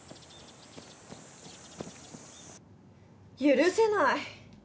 許せない！